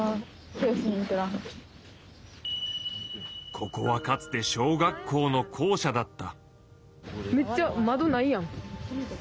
ここはかつて小学校の校舎だった。